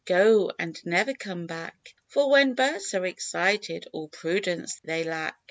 Go, and never come back; For, when birds are excited, all prudence they lack."